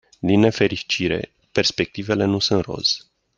Din nefericire, perspectivele nu sunt roz.